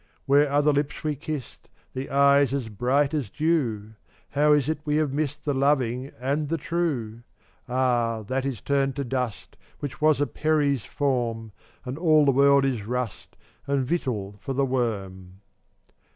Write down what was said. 435 Where are the lips we kissed, The eyes as bright as dew? How is it we have missed The loving and the true? Ah, that is turned to dust Which was a peri's form; And all the world is rust And victual for the worm.